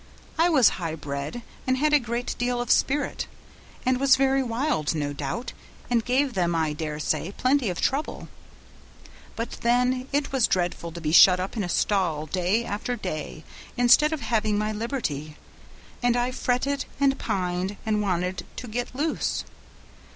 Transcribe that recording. I was high bred and had a great deal of spirit, and was very wild, no doubt, and gave them, I dare say, plenty of trouble, but then it was dreadful to be shut up in a stall day after day instead of having my liberty, and I fretted and pined and wanted to get loose.